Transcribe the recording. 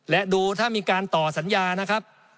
และดูถ้ามีการต่อสัญญานะครับ